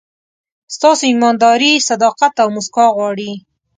ستاسو ایمانداري، صداقت او موسکا غواړي.